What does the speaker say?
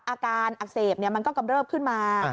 อาการอักเสบมันก็กำเริบขึ้นมา